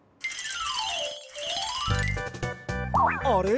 あれ？